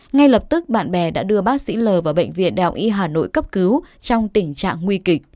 ngay lập tức bạn bè đã đưa bác sĩ l vào bệnh viện đại học y hà nội cấp cứu trong tình trạng nguy kịch